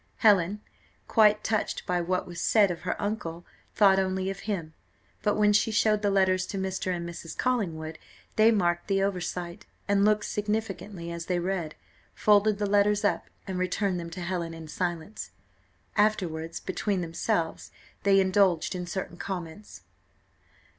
Helen, quite touched by what was said of her uncle, thought only of him; but when she showed the letters to Mr. and Mrs. Collingwood, they marked the oversight, and looked significantly as they read, folded the letters up and returned them to Helen in silence. Afterwards between themselves, they indulged in certain comments.